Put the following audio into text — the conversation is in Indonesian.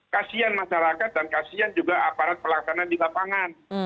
kasian masyarakat dan kasian juga aparat pelaksana di lapangan